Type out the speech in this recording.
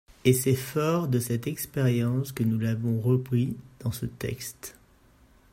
Et c’est fort de cette expérience que nous l’avons repris dans ce texte.